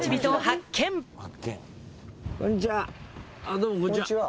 どうもこんちは。